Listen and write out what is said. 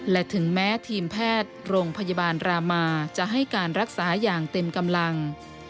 และถึงแม้ทีมแพทย์โรงพยาบาลรามาจะให้การรักษาอย่างเต็มกำลัง